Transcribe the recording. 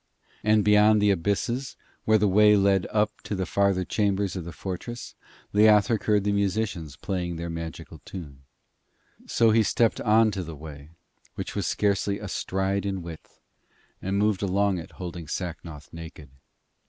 And beyond the abysses, where the way led up to the farther chambers of the fortress, Leothric heard the musicians playing their magical tune. So he stepped on to the way, which was scarcely a stride in width, and moved along it holding Sacnoth naked.